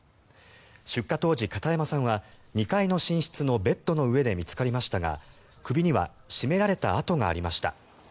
出火当時、片山さんは２階の寝室のベッドの上で見つかりましたが首には絞められた痕がありました。